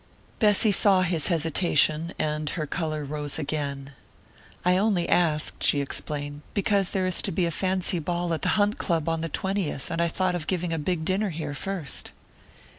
Bessy saw his hesitation, and her colour rose again. "I only asked," she explained, "because there is to be a fancy ball at the Hunt Club on the twentieth, and I thought of giving a big dinner here first."